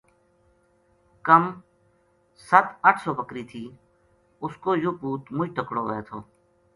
کم ست اَٹھ سو بکری تھی اس کو یوہ پُوت مُچ تکڑو وھے تھو